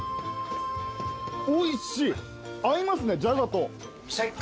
おいしい合いますねジャガと。